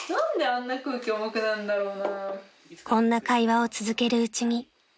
［こんな会話を続けるうちに］